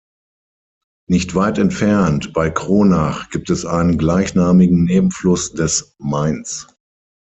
Nicht weit entfernt, bei Kronach, gibt es einen gleichnamigen Nebenfluss des Mains.